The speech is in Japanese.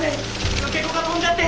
受け子が飛んじゃって！